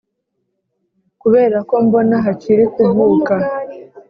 kuberako mbona hakiri kuvuka